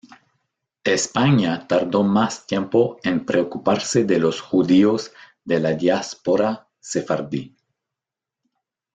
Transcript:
España tardó más tiempo en preocuparse de los judíos de la diáspora sefardí.